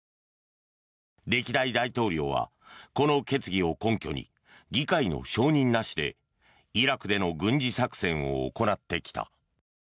歴代大統領はこの決議を根拠に議会の承認なしでイラクでの軍事作戦を行ってきた。